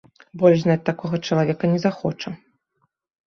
Больш знаць такога чалавека не захоча.